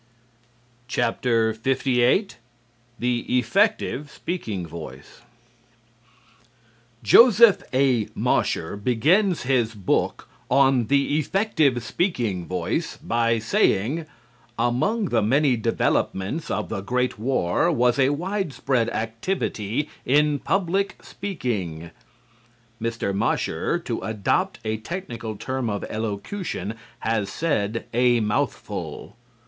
LVIII "THE EFFECTIVE SPEAKING VOICE" Joseph A. Mosher begins his book on "The Effective Speaking Voice" by saying: "Among the many developments of the great war was a widespread activity in public speaking." Mr. Mosher, to adopt a technical term of elocution, has said a mouthful.